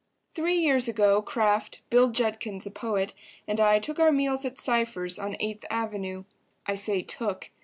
Three years ago Kraft, Bill Judkins (a poet), and I took our meals at Cypher's, on Eighth Avenue. I say "took."